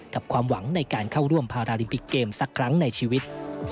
ความหวังในการเข้าร่วมพาราลิมปิกเกมสักครั้งในชีวิต